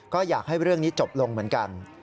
ก็อยากให้เรื่องนี้จบลงเหมือนกัน